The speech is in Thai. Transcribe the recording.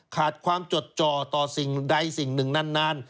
ขาดความจดจ่อต่อสิ่งใดสิ่งหนึ่งนาน